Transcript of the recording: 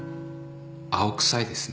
青くさいですね。